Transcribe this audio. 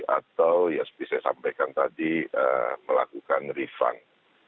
atau ya seperti saya sampaikan tadi melakukan refund